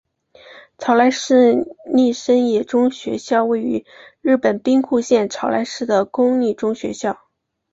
朝来市立生野中学校位于日本兵库县朝来市的公立中学校。